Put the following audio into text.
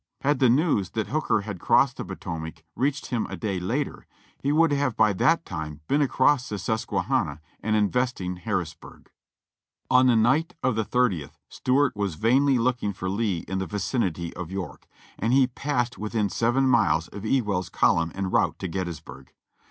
Had the news that Hooker had crossed the Potomac reached him a day later, he would have by that time been across the Sus quehanna and investing Harrisburg. On the night of the 30th Stuart was vainly looking for Lee in the vicinity of York, and he passed within seven miles of Ewell's column en route to Gettysburg.